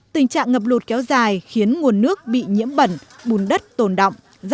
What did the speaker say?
tình trạng ngập lụt kéo dài khiến nguồn nước bị nhiễm bẩn bùn đất tồn động